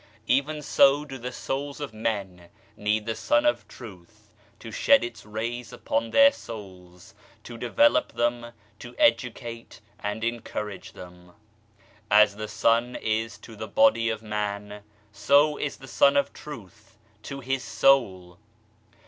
Even so do the souls of men need the Sun of Tr ath to shed Its rays upon their souls, to develop them, to educate and encourage them. As the sun is to the body of a man, so is the Sun of Truth to his soul.